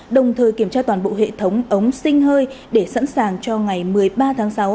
đồng thời kiểm tra toàn bộ hệ thống ống sinh hơi để sẵn sàng cho ngày một mươi ba tháng sáu